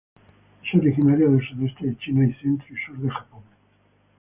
Es originaria del sudeste de China y centro y sur de Japón.